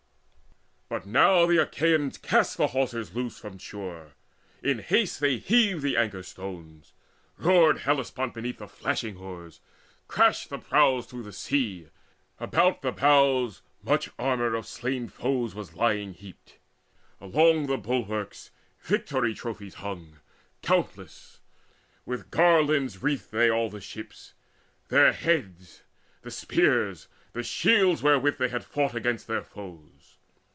But now the Achaeans cast the hawsers loose From shore: in haste they heaved the anchor stones. Roared Hellespont beneath swift flashing oars; Crashed the prows through the sea. About the bows Much armour of slain foes was lying heaped: Along the bulwarks victory trophies hung Countless. With garlands wreathed they all the ships, Their heads, the spears, the shields wherewith they had fought Against their foes.